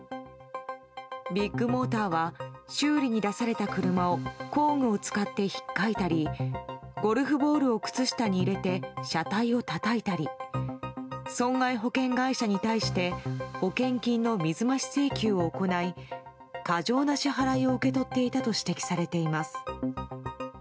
ビッグモーターは修理に出された車を工具を使って引っかいたりゴルフボールを靴下に入れて車体をたたいたり損害保険会社に対して保険金の水増し請求を行い過剰な支払いを受け取っていたと指摘されています。